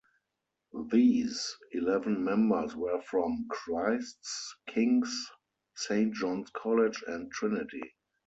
These eleven members were from Christ's, King's, Saint Johns College and Trinity.